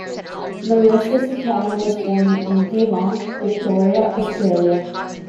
Marisa Siketa was born in Geelong, Victoria, Australia.